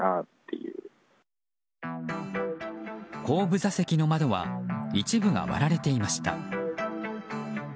後部座席の窓は一部が割られていました。